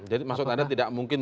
jadi maksud anda tidak mungkin